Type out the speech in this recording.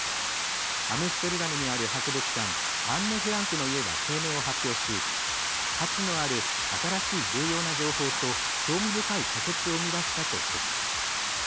アムステルダムにある博物館アンネ・フランクの家は声明を発表し「価値のある新しい重要な情報と興味深い仮説を生み出した」としています。